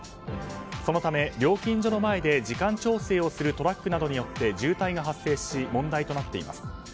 そのため料金所の前で時間調整をするトラックなどによって渋滞が発生し問題となっています。